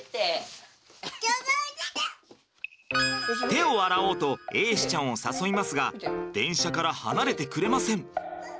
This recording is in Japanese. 手を洗おうと瑛志ちゃんを誘いますが電車から離れてくれません。